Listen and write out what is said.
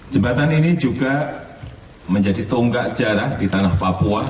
jembatan ini juga menjadi tonggak sejarah di tanah papua